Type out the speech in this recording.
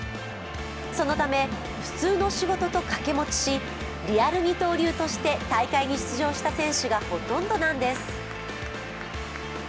そのため普通の仕事と掛け持ちし、リアル二刀流として大会に出場した選手がほとんどなんです。